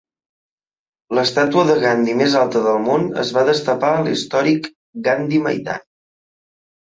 L'estàtua de Gandhi més alta del món es va destapar a l'històric Gandhi Maidan.